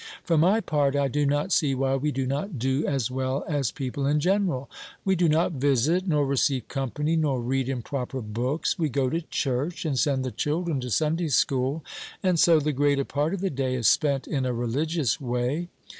For my part I do not see why we do not do as well as people in general. We do not visit, nor receive company, nor read improper books. We go to church, and send the children to Sunday school, and so the greater part of the day is spent in a religious way.